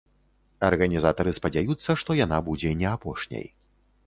Арганізатары спадзяюцца, што яна будзе не апошняй.